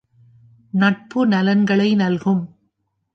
நட்பு நலன்களை நல்கும்.